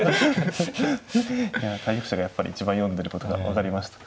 いや対局者がやっぱり一番読んでることが分かりました。